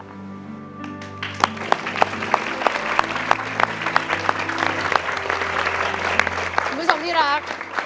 คุณผู้ชมที่รัก